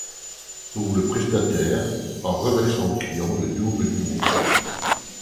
Pour le prestataire, en reversant au client le double du montant.